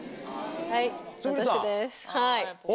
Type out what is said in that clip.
はい私です。